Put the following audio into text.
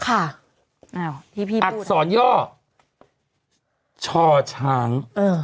อักษรย่อช่อช้าง